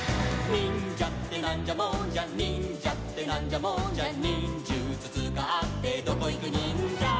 「にんじゃってなんじゃもんじゃ」「にんじゃってなんじゃもんじゃ」「にんじゅつつかってどこいくにんじゃ」